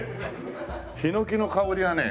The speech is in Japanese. ヒノキの香りはね。